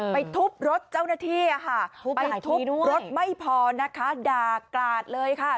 ไปทุบรถเจ้าหน้าที่อะค่ะทุบหลายทีด้วยไปทุบรถไม่พอนะคะด่ากลาดเลยค่ะ